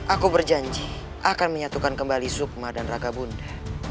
aku berjanji akan menyatukan kembali sukma dan raga bunda